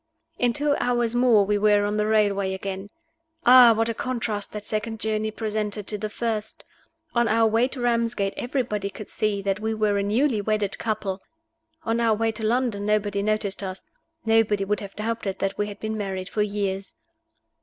In two hours more we were on the railway again. Ah, what a contrast that second journey presented to the first! On our way to Ramsgate everybody could see that we were a newly wedded couple. On our way to London nobody noticed us; nobody would have doubted that we had been married for years.